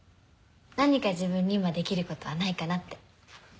何か自分にもできることはないかなって。